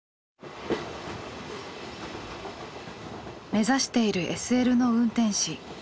目指しているＳＬの運転士。